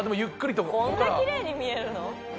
こんな奇麗に見えるの？